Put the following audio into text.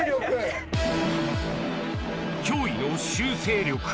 驚異の修正力